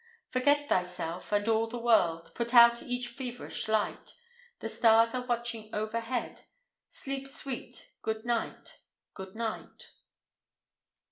Forget thyself and all the world, Put out each feverish light; The stars are watching overhead, Sleep sweet, Good Night, Good Night.